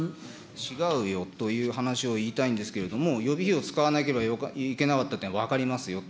違うよという話を言いたいんですけれども、予備費を使わなければいけなかったというのは分かりますよと。